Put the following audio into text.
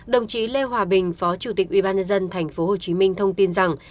đồng chí lê hòa bình phó chủ tịch ubnd tp hcm thông tin rằng